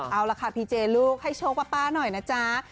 เอาล่ะค่ะพีเจลูกให้โชคว่าป้าหน่อยนะจ๊ะ